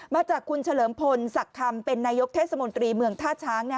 มาจากคุณเฉลิมพลศักดิ์คำเป็นนายกเทศมนตรีเมืองท่าช้าง